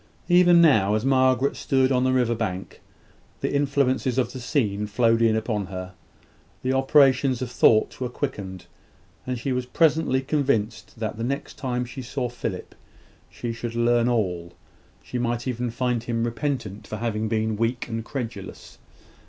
Even now, as Margaret stood on the river bank, the influences of the scene flowed in upon her. The operations of thought were quickened, and she was presently convinced that the next time she saw Philip she should learn all she might even find him repentant for having been weak and credulous.